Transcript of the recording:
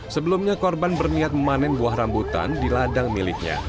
sebelumnya korban berniat memanen buah rambutan di ladang miliknya